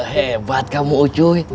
hebat kamu cuy